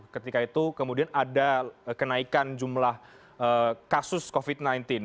ketika itu kemudian ada kenaikan jumlah kasus covid sembilan belas